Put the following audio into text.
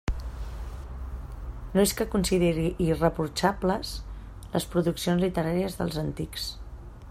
No és que consideri irreprotxables les produccions literàries dels antics.